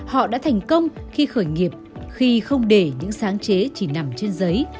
họ đã thành công khi khởi nghiệp khi không để những sáng chế chỉ nằm trên giấy